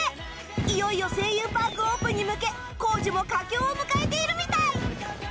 いよいよ声優パークオープンに向け工事も佳境を迎えているみたい！